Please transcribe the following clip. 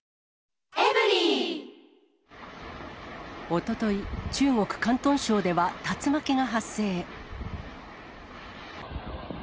おととい、中国・広東省では、竜巻が発生。